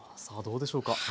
さあどうでしょうか。